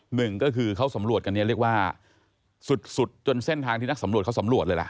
หนึ่งก็คือเขาสำรวจกันเนี่ยเรียกว่าสุดสุดจนเส้นทางที่นักสำรวจเขาสำรวจเลยล่ะ